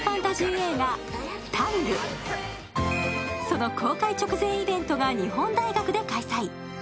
その公開直前イベントが日本大学で開催。